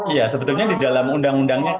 iya sebetulnya di dalam undang undangnya